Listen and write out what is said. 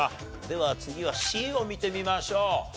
では次はＣを見てみましょう。